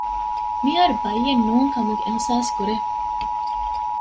މިހާރު ބައްޔެއް ނޫންކަމުގެ އިޙްސާސްކުރޭ